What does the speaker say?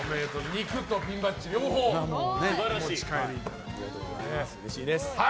肉とピンバッジ両方お持ち帰りということで。